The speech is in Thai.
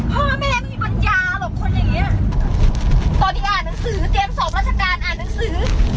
พ่อแม่ไม่มีปัญญาหรอกคนอย่างเงี้ยตอนที่อ่านหนังสือเตรียมสอบราชการอ่านหนังสือ